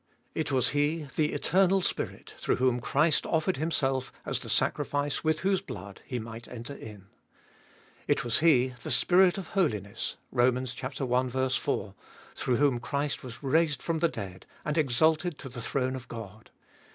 It was He, the Eternal Spirit, through whom Christ offered Him self as the sacrifice with whose blood He might enter in. It was He, the Spirit of holiness (Rom. i. 4), through whom Christ was raised from the dead and exalted to the throne of God.